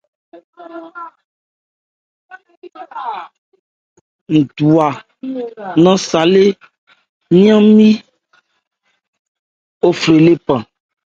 Ń dwan nnɛn sâlé ńyá-nmí ophrɛ lé.